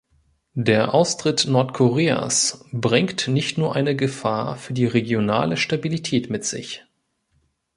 Der Austritt Nordkoreas bringt nicht nur eine Gefahr für die regionale Stabilität mit sich.